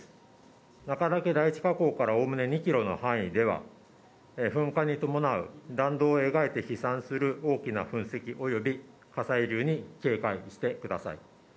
中岳第１火口からおおむね２キロの範囲では、噴火に伴う弾道を描いて飛散する大きな噴石および火砕流に警戒してください。